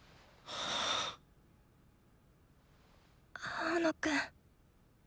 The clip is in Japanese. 青野くん。